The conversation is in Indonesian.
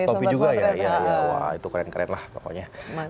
tompi juga ya itu keren keren lah pokoknya